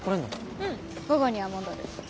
うん午後には戻る。